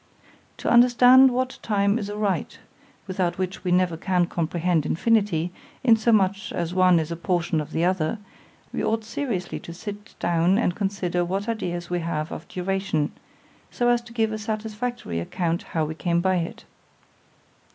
—— To understand what time is aright, without which we never can comprehend infinity, insomuch as one is a portion of the other——we ought seriously to sit down and consider what idea it is we have of duration, so as to give a satisfactory account how we came by it.